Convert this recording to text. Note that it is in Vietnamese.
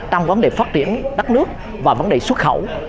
trong vấn đề phát triển đất nước và vấn đề xuất khẩu